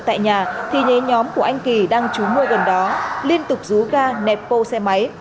tại nhà thì nhóm của anh kỳ đang trú môi gần đó liên tục rú ga nẹp bô xe máy